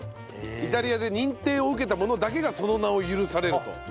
イタリアで認定を受けたものだけがその名を許されると。